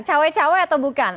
cawe cawe atau bukan